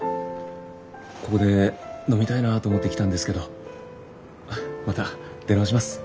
ここで飲みたいなぁと思って来たんですけどまた出直します。